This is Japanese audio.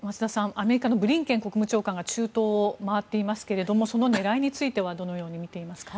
アメリカのブリンケン国務長官が中東を回っていますけれどその狙いについてはどのように見ていますか？